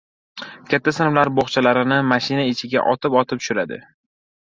Katta sinflar bo‘xchalarini mashina ichiga otib-otib tushiradi.